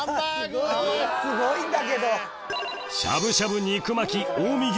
すごいすごいんだけど。